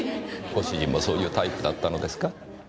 ご主人もそういうタイプだったのですか？